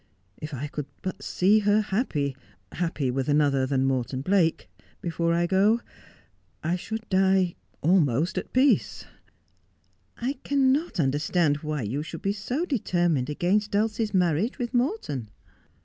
If I could but see her happy — happy with another than Morton Blake — before I go, I should die — almost — at peace.' 214 Just as I Am. 'I cannot understand why you should be so determined against Dulcie's marriage with Morton.'